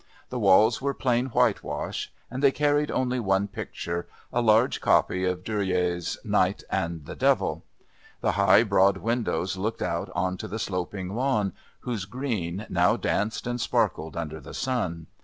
The walls were plain whitewash, and they carried only one picture, a large copy of Dürer's "Knight and the Devil." The high, broad windows looked out on to the sloping lawn whose green now danced and sparkled under the sun.